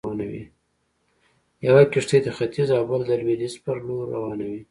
يوه کښتۍ د ختيځ او بله د لويديځ پر لور روانوي.